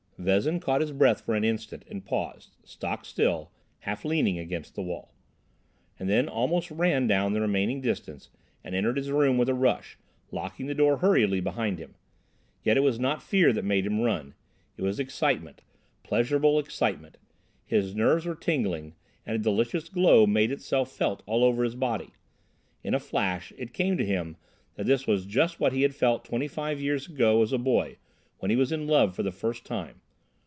Vezin caught his breath for an instant and paused, stockstill, half leaning against the wall—and then almost ran down the remaining distance and entered his room with a rush, locking the door hurriedly behind him. Yet it was not fear that made him run: it was excitement, pleasurable excitement. His nerves were tingling, and a delicious glow made itself felt all over his body. In a flash it came to him that this was just what he had felt twenty five years ago as a boy when he was in love for the first time.